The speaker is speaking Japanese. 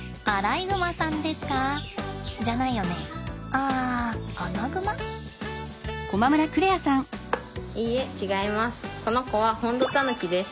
いいえ違います。